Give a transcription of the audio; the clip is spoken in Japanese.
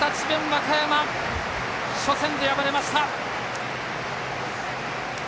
和歌山初戦で敗れました。